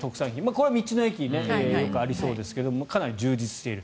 これは道の駅よくありそうですがかなり充実している。